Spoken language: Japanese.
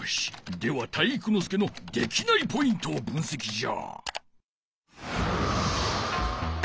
では体育ノ介のできないポイントをぶんせきじゃ！